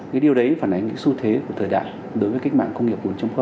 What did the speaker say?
cái điều đấy phản ánh những xu thế của thời đại đối với kích mạng công nghiệp bốn